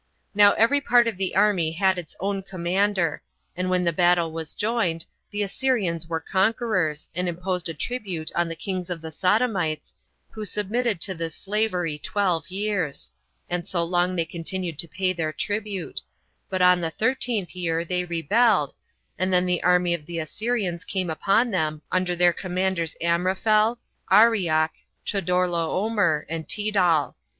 Now every part of the army had its own commander; and when the battle was joined, the Assyrians were conquerors, and imposed a tribute on the kings of the Sodomites, who submitted to this slavery twelve years; and so long they continued to pay their tribute: but on the thirteenth year they rebelled, and then the army of the Assyrians came upon them, under their commanders Amraphel, Arioch, Chodorlaomer, and Tidal.